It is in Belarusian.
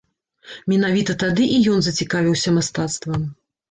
Менавіта тады і ён зацікавіўся мастацтвам.